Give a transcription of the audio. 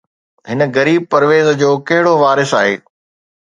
هن غريب پرويز جو ڪهڙو وارث آهي؟